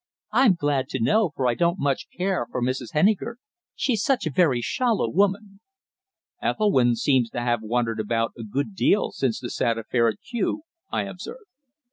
I'm glad to know, for I don't care much for Mrs. Henniker. She's such a very shallow woman." "Ethelwynn seems to have wandered about a good deal since the sad affair at Kew," I observed.